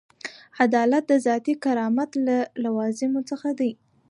عدالت د ذاتي کرامت له لوازمو څخه دی.